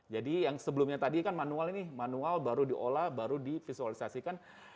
jadi yang sebelumnya tadi kan manual ini manual baru diolah baru divisualisasikan